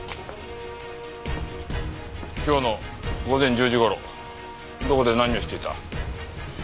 今日の午前１０時頃どこで何をしていた？